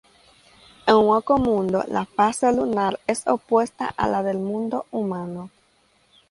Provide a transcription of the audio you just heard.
En Hueco Mundo, la fase lunar es opuesta a la del mundo humano.